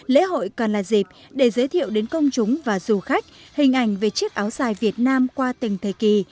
lễ hội còn là dịp để giới thiệu đến công chúng và du khách hình ảnh về chiếc áo dài việt nam qua từng thời kỳ